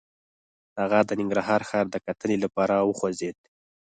هغه د ننګرهار ښار د کتنې لپاره وخوځېد.